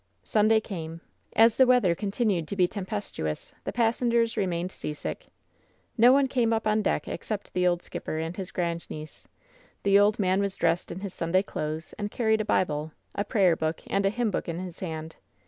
Sunday came. As the weather continued to be tem pestuous, the passengers remained seasick. No one came up on deck except the old skipper and his ^randniece. The old man was dressed in his Sunday clothes, and carried a Bible, a prayer book and a hymn book in his hand.